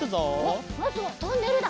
まずはトンネルだ。